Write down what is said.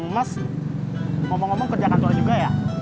mas ngomong ngomong kerja kantor juga ya